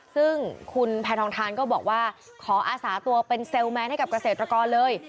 ซึ่งคุณแพทองทานก็บอกว่าขออาสาตัวเป็นเซลลแมนให้กับเกษตรกรเลย